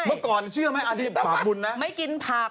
เมื่อก่อนเชื่อมั้ยอาทิตย์ปราบบุญนะ